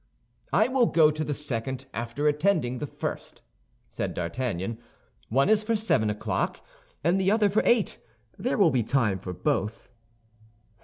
"I will go to the second after attending the first," said D'Artagnan. "One is for seven o'clock, and the other for eight; there will be time for both."